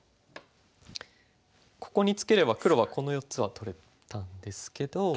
ここにツケれば黒はこの４つは取れたんですけど。